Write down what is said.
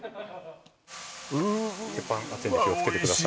うわおいしそう鉄板熱いんで気をつけてください